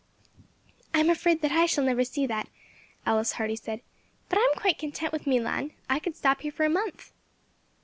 "I am afraid I shall never see that," Alice Hardy said, "but I am quite content with Milan; I could stop here for a month."